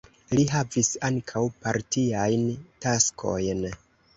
Li havis ankaŭ partiajn taskojn.